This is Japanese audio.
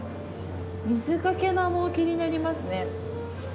水かけ菜も気になりますね。